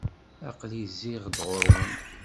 Aql-i zziɣ-d ɣur-wen.